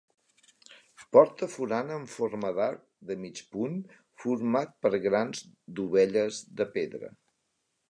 Porta forana en forma d'arc de mig punt, format per grans dovelles de pedra.